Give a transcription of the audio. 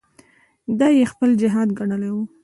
دا یې خپل جهاد ګڼلی وو.